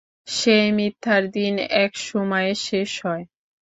সেই মিথ্যার দিন একসময়ে শেষ হয়।